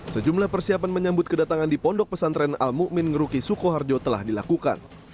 sejumlah persiapan menyambut kedatangan di pondok pesantren al mu'min ngeruki sukoharjo telah dilakukan